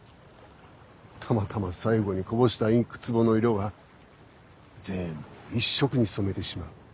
たまたま最後にこぼしたインクつぼの色が全部一色に染めてしまう。